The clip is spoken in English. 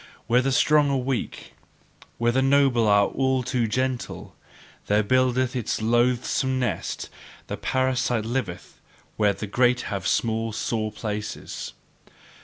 Where the strong are weak, where the noble are all too gentle there buildeth it its loathsome nest; the parasite liveth where the great have small sore places.